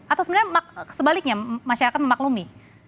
atau sebenarnya sebaliknya masyarakat memaklumi